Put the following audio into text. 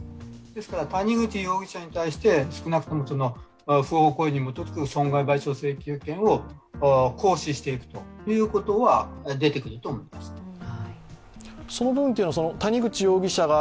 ですから谷口容疑者に対して少なくとも不法行為に基づく損害賠償請求権を行使していくことはその分というのは谷口容疑者が